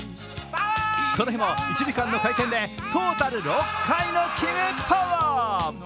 この日も１時間の会見でトータル６回のパワー。